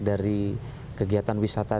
dari kegiatan wisata